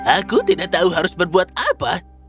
aku tidak tahu harus berbuat apa